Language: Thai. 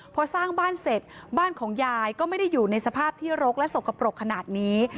พอสร้างบ้านเสร็จบ้านของยายก็ไม่ได้อยู่ในสภาพที่รกและสกปรกขนาดนี้